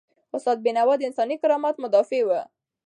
استاد بینوا د انساني کرامت مدافع و.